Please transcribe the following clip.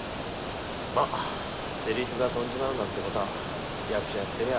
まセリフが飛んじまうなんてことは役者やってりゃ